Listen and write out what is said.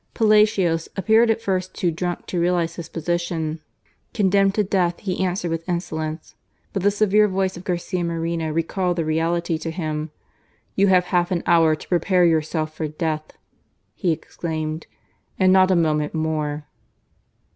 Palacios appeared at firs too drunk to realize his position Condemned to 86 GARCIA MORENO. death he answered with insolence, but the severe voice of Garcia Moreno recalled the reality to him : "You have half an hour to prepare yourself for death/' he exclaimed, " and not a moment more.'